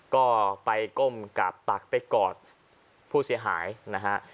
ก็ไปก้มกราบตักไปกอดผู้เสียหายนะฮะ